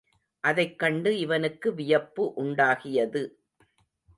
அதைக் கண்டு இவனுக்கு வியப்பு உண்டாகியது.